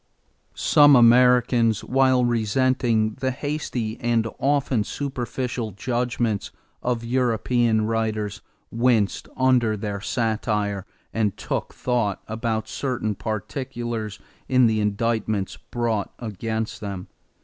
Some Americans, while resenting the hasty and often superficial judgments of European writers, winced under their satire and took thought about certain particulars in the indictments brought against them.